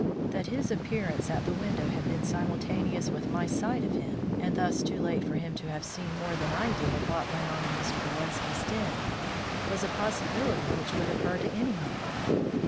That his appearance at the window had been simultaneous with my sight of him, and thus too late for him to have seen more than I did of what went on in Mr. Gillespie's den, was a possibility which would occur to any man.